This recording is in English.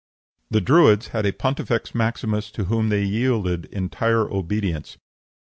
The Druids had a pontifex maximus to whom they yielded entire obedience.